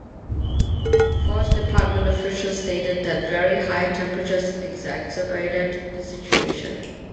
Forest department officials stated that very high temperatures exacerbated the situation.